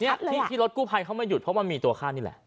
นี่ที่รถกู้ภัยเขามาหยุดเพราะมันมีตัวข้านี่แหละ